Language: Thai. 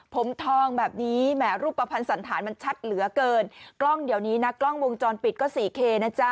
ผมทองแบบนี้แหมรูปภัณฑ์สันธารมันชัดเหลือเกินกล้องเดี๋ยวนี้นะกล้องวงจรปิดก็สี่เคนะจ๊ะ